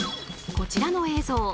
こちらの映像。